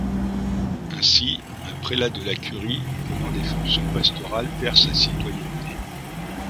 Ainsi, un prélat de la Curie prenant des fonctions pastorales perd sa citoyenneté.